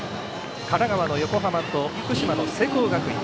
神奈川の横浜と福島の聖光学院。